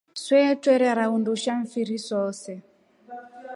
Swee twerara undusha mfiri sose.